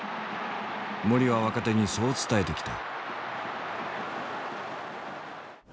森は若手にそう伝えてきた。